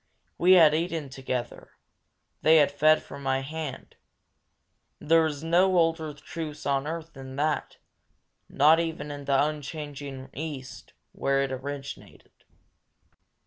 We had eaten together; they had fed from my hand; and there is no older truce on earth than that, not even in the unchanging East, where it originated.